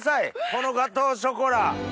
このガトーショコラ。